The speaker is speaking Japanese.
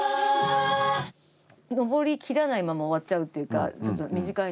上り切らないまま終わっちゃうっていうかちょっと短いので。